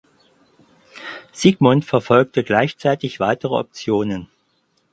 Siegmund verfolgte gleichzeitig weitere Optionen.